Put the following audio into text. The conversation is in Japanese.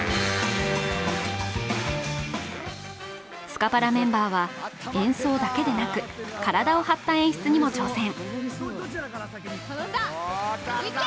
スカパラメンバーは演奏だけでなく、体を張った演出にも挑戦。